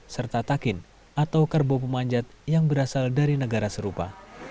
serta takin atau karbo pemanjat yang berasal dari negara serupa